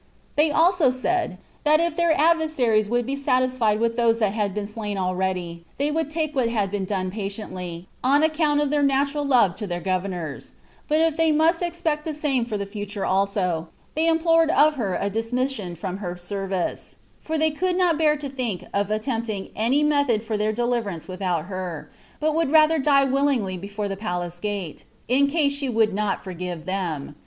They said also, that if their adversaries would be satisfied with those that had been slain already, they would take what had been done patiently, on account of their natural love to their governors; but if they must expect the same for the future also, they implored of her a dismission from her service; for they could not bear to think of attempting any method for their deliverance without her, but would rather die willingly before the palace gate, in case she would not forgive them.